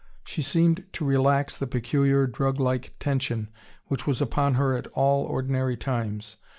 She seemed to relax the peculiar, drug like tension which was upon her at all ordinary times.